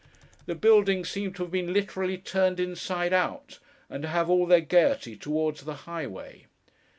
The buildings seemed to have been literally turned inside out, and to have all their gaiety towards the highway.